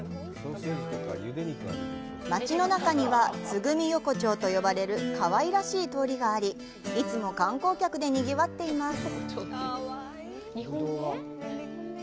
街の中には「つぐみ横丁」と呼ばれるかわいらしい通りがあり、いつも観光客でにぎわっています。